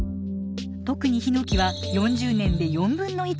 特にヒノキは４０年で４分の１にまで。